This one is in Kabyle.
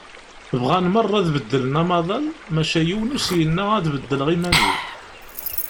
Bɣan merra ad beddlen amaḍal, maca yiwen ur s-yenna ad beddleɣ iman-iw.